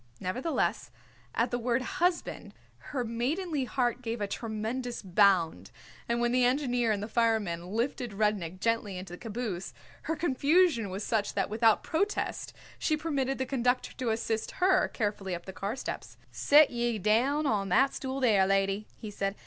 Nevertheless, at the word "husband" her maidenly heart gave a tremendous bound, and when the engineer and the fireman lifted Rudnik gently into the caboose her confusion was such that without protest she permitted the conductor to assist her carefully up the car steps. "Sit ye down on that stool there, lady," he said.